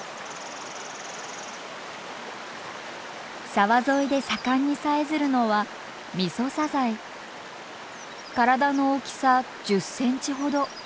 沢沿いで盛んにさえずるのは体の大きさ１０センチほど。